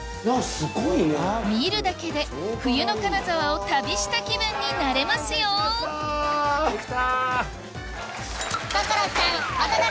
見るだけで冬の金沢を旅した気分になれますよできた。